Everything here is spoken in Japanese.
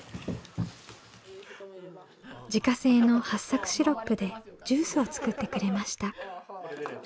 自家製のはっさくシロップでジュースを作ってくれました。